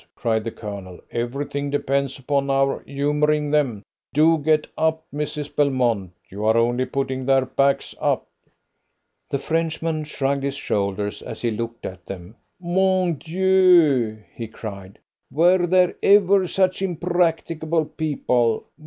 cried the Colonel; "everything depends upon our humouring them. Do get up, Mrs. Belmont! You are only putting their backs up!" The Frenchman shrugged his shoulders as he looked at them. "Mon Dieu!" he cried, "were there ever such impracticable people?